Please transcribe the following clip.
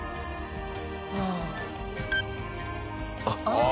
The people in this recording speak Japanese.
ああ！